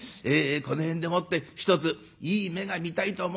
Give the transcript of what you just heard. この辺でもってひとついい目が見たいと思うんでございます。